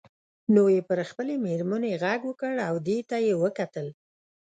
نو یې پر خپلې میرمنې غږ وکړ او دې ته یې وکتل.